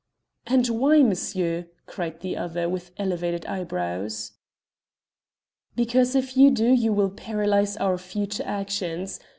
"And why, monsieur?" cried the other, with elevated eyebrows. "Because if you do you will paralyse our future actions.